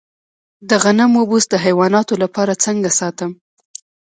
د غنمو بوس د حیواناتو لپاره څنګه ساتم؟